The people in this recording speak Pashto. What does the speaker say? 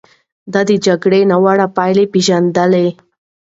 ده د جګړې ناوړه پايلې پېژندلې.